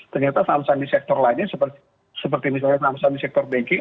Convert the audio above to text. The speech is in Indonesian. ternyata saham saham di sektor lainnya seperti misalnya saham saham di sektor banking